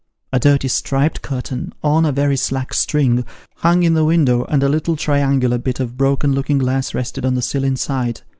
A dirty striped curtain, on a very slack string, hung in the window, and a little triangular bit of broken looking glass rested on the sill inside.